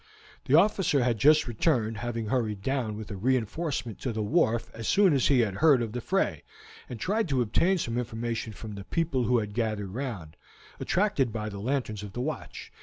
The officer had just returned, having hurried down with a reinforcement to the wharf as soon as he had heard of the fray, and tried to obtain some information from the people who had gathered round, attracted by the lanterns of the watch.